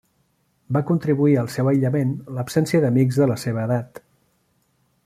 Va contribuir al seu aïllament l'absència d'amics de la seva edat.